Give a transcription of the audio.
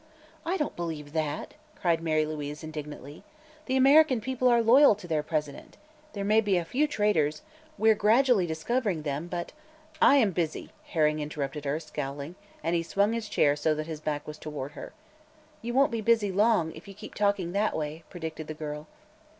"I don't believe that!" cried Mary Louise indignantly. "The American people are loyal to their President. There may be a few traitors; we're gradually discovering them; but " "I am busy," Herring interrupted her, scowling, and he swung his chair so that his back was toward her. "You won't be busy long, if you keep talking that way," predicted the girl.